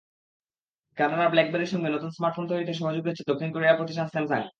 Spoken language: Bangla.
কানাডার ব্ল্যাকবেরির সঙ্গে নতুন স্মার্টফোন তৈরিতে সহযোগী হচ্ছে দক্ষিণ কোরিয়ার প্রতিষ্ঠান স্যামসাং।